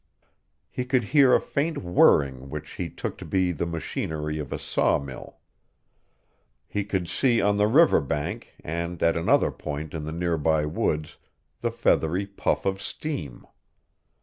He could hear a faint whirring which he took to be the machinery of a sawmill. He could see on the river bank and at another point in the nearby woods the feathery puff of steam.